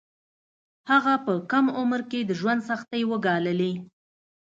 هغه په کم عمر کې د ژوند سختۍ وګاللې